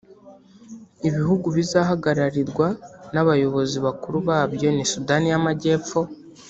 Ibihugu bizahagararirwa n’abayobozi bakuru babyo ni Sudan y’Amajyepfo